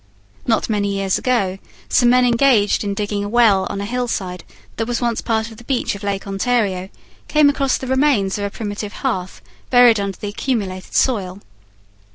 Not many years ago, some men engaged in digging a well on a hillside that was once part of the beach of Lake Ontario, came across the remains of a primitive hearth buried under the accumulated soil.